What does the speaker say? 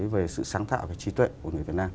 về sự sáng tạo và trí tuệ của người việt nam